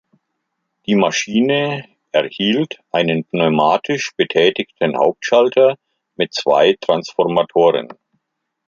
Die Maschine erhielt einen pneumatisch betätigten Hauptschalter mit zwei Transformatoren.